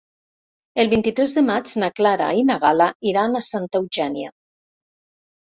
El vint-i-tres de maig na Clara i na Gal·la iran a Santa Eugènia.